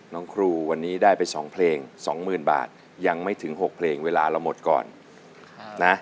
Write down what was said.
น้องครูวันนี้ได้ไป๒เพลง๒๐๐๐บาทยังไม่ถึง๖เพลงเวลาเราหมดก่อนนะ